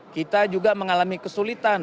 kita juga mengalami kesulitan